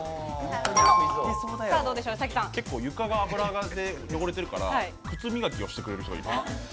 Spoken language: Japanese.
結構床が油で汚れてるから、靴磨きをしてくれる人がいる。